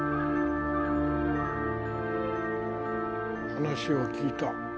話を聞いた。